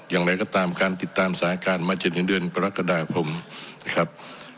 อย่างไรก็ตามการติดตามสถานการณ์มาจนถึงเดือนกรกฎาคมนะครับ